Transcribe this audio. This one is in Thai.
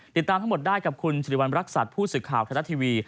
ติดตามทั้งหมดได้กับคุณสิริวัณรักษัตริย์ผู้สื่อข่าวไทยรัฐทีวี